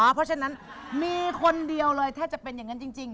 เพราะฉะนั้นมีคนเดียวเลยถ้าจะเป็นอย่างนั้นจริง